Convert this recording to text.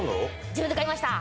自分で買いました。